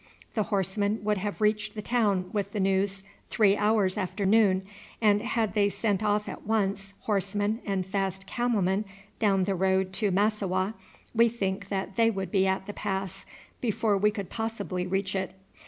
The horsemen would have reached the town with the news three hours after noon, and had they sent off at once horsemen and fast camelmen down the road to Massowah, we think that they would be at the pass before we could possibly reach it.